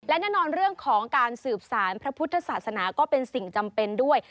และแน่นอนเรื่องของการสืบสารพระพุทธศาสนาก็เป็นสิ่งจำเป็นด้วย